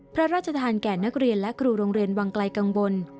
พระราชทานแก่นักเรียนและครูโรงเรียนวังไกลกังวล